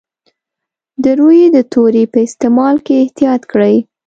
د روي د توري په استعمال کې احتیاط کړی.